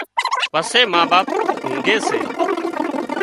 پسي ما پان اونگھي سي